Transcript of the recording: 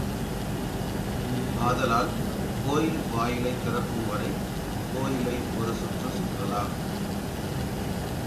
ஆதலால் கோயில் வாயிலைத் திறக்கும் வரை கோயிலை ஒரு சுற்று சுற்றலாம்.